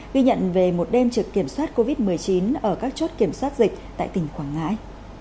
ghi nhận về một đêm trực kiểm soát covid một mươi chín ở các chốt kiểm soát dịch tại tỉnh quảng ngãi